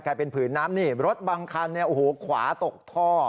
กลายเป็นผืนน้ำนี่รถบางคันเนี่ยโอ้โหขวาตกท่อ